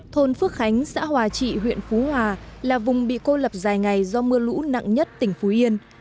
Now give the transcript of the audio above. thôn phước khánh xã hòa trị huyện phú hòa là vùng bị cô lập dài ngày do mưa lũ nặng nhất tỉnh phú yên